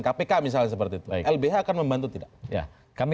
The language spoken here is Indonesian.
tapi harus memberikan penangkapan